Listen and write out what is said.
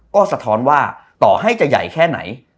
ก็สะท้อนว่าต่อให้จะใหญ่แค่ไหน